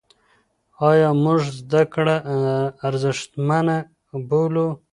ایا موږ زده کړه ارزښتمنه بولو؟